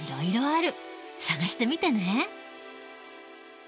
探してみてね。